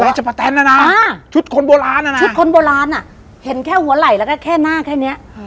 ชปะแตนนะนะชุดคนโบราณนะนะชุดคนโบราณอ่ะเห็นแค่หัวไหล่แล้วก็แค่หน้าแค่นี้